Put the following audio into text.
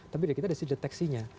tapi dari kita dari sisi deteksinya